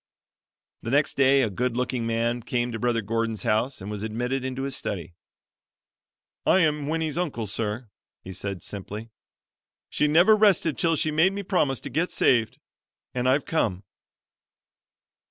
The next day a good looking man came to Brother Gordon's house and was admitted into his study. "I am Winnie's uncle, sir," he said simply. "She never rested till she made me promise to get saved, and I've come."